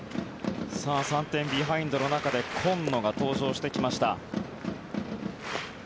３点ビハインドの中で今野が登場してきました。